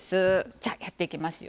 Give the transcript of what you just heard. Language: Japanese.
じゃやっていきますよ。